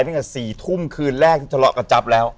เพียงกับ๔ทุ่มคืนแรกที่ทะเลาะกระจับแล้ว